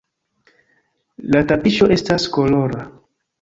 La tapiŝo estas kolora.